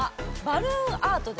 バルーンアート。